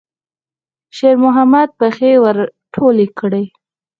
شېرمحمد پښې ور ټولې کړې.